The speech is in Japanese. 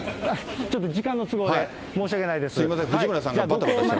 ちょっと時間の都合で、申し訳ないです。